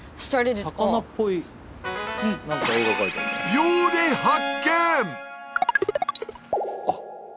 秒で発見！